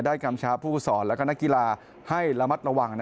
กำชาผู้สอนและนักกีฬาให้ระมัดระวัง